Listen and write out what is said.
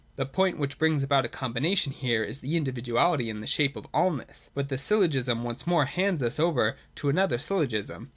The point which brings about a combination here is individuality in the shape of allness. But this syllogism once more hands us over to another syllogism.